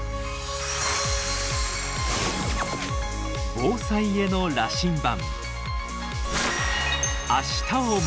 防災への羅針盤。